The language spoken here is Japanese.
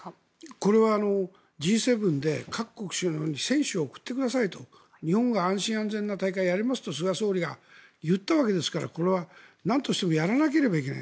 これはＧ７で各国首脳に選手を送ってくださいと日本が安心安全な大会をやりますと菅総理が言ったわけですからこれはなんとしてもやらなければいけない。